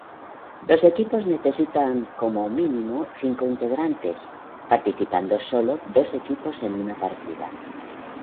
Los equipos necesitan como mínimo cinco integrantes, participando sólo dos equipos en una partida.